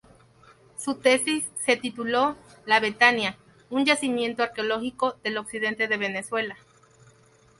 Su tesis se tituló: "La Betania: un yacimiento arqueológico del occidente de Venezuela.